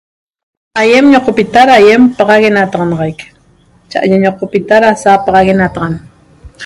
Aiem ñoqpita da aiem ñapaxaguenataxanaxaq teque jet ñoqpita da jet sapaxaguen